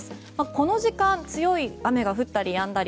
この時間、強い雨が降ったりやんだり。